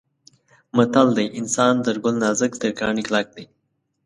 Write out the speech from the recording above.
متل دی: انسان تر ګل نازک تر کاڼي کلک دی.